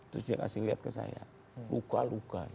terus dia kasih lihat ke saya luka luka